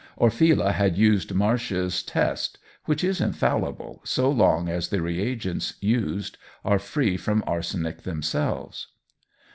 Orfila had used Marsh's test, which is infallible so long as the reagents used are free from arsenic themselves.